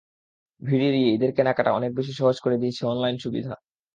ভিড় এড়িয়ে ঈদের কেনাকাটা অনেক বেশি সহজ করে দিয়েছে অনলাইন সুবিধা।